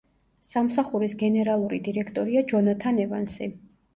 სამსახურის გენერალური დირექტორია ჯონათან ევანსი.